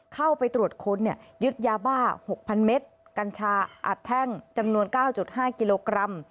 เข้าไปตรวจค้นยึดยาบ้า๖๐๐เมตรกัญชาอัดแท่งจำนวน๙๕กิโลกรัม